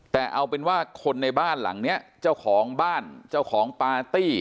แต่เอาเป็นว่าคนในบ้านหลังเนี้ยเจ้าของบ้านเจ้าของปาร์ตี้